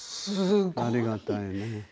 ありがたいね。